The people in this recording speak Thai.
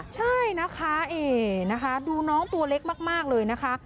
ใช่นะคะดูน้องตัวเล็กมากเลยนะคะ